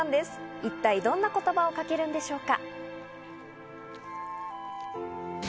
一体どんな言葉をかけるんでしょうか。